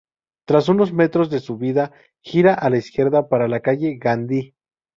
Tras unos metros de subida, gira a la izquierda por la calle Gandhi.